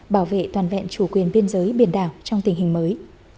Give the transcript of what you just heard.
bảo vệ toàn vẹn chủ quyền biên giới biển đảo trong tình hình mới